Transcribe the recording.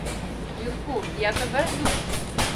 Юрку, я тебе жду!